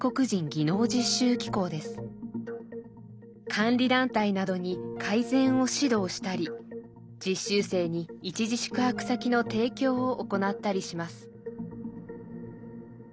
監理団体などに改善を指導したり実習生に一時宿泊先の提供を行ったりします。